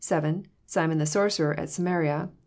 Simon the sorcerer at Samaria.